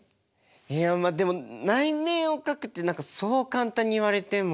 いやまあでも内面を描くってそう簡単に言われても。